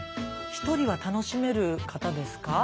ひとりは楽しめる方ですか？